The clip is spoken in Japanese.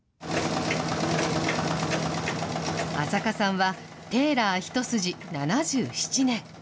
安積さんはテーラー一筋７７年。